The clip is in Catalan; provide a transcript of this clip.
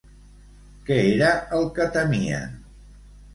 Què era el que temien?